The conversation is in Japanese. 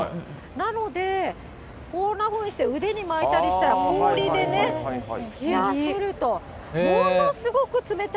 なので、こんなふうにして、腕に巻いたりしたら氷でね、冷やせると。